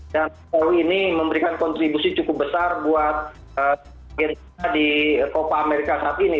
dan ini memberikan kontribusi cukup besar buat di kopa amerika saat ini